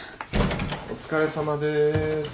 お疲れさまです。